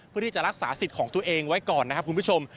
เพื่อที่จะรักษาสิทธิ์ของตัวเองไว้ก่อนนะครับคุณผู้ชม